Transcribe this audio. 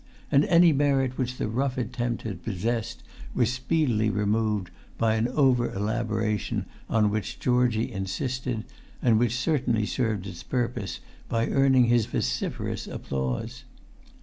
And any merit which the rough attempt had possessed was speedily removed by an over elaboration on which Georgie insisted, and which certainly served its purpose by earning his vociferous applause.